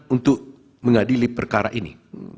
untuk mengadili perkara ini